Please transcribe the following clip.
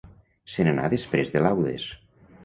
Se n'anà després de laudes.